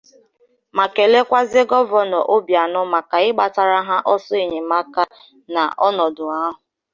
ma kelekwazie Gọvanọ Obianọ maka ịgbatara ha ọsọ enyemaka n'ọnọdụ ahụ